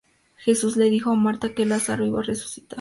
Jesús le dijo a Marta que Lazaro iba a resucitar.